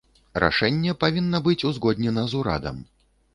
Рашэнне павінна быць узгоднена з урадам.